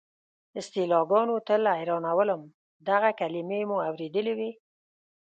اصطلاحګانو تل حیرانولم، دغه کلیمې مو اورېدلې وې.